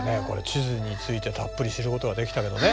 地図についてたっぷり知ることができたけどね